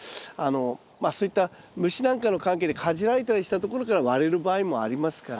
まあそういった虫なんかの関係でかじられたりしたところから割れる場合もありますから。